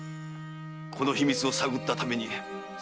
この秘密を探ったために佐野殿は。